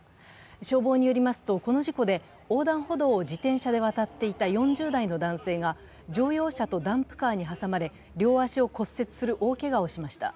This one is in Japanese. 消防によりますと、この事故で横断歩道を自転車で渡っていた４０代の男性が乗用車とダンプカーに挟まれ両足を骨折する大けがをしました。